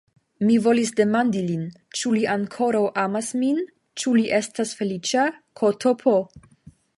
Mi volis demandi lin, ĉu li ankoraŭ amas min; ĉu li estas feliĉa ktp.